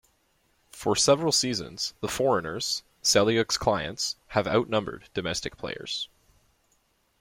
For several seasons, the foreigners, Selyuk's clients, have outnumbered domestic players.